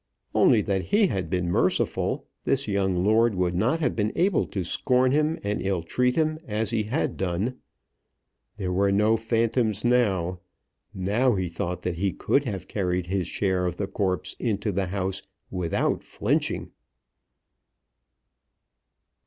Only that he had been merciful, this young lord would not have been able to scorn him and ill treat him as he had done. There were no phantoms now. Now he thought that he could have carried his share of the corpse into the house without flinching.